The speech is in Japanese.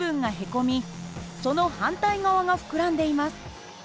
その反対側が膨らんでいます。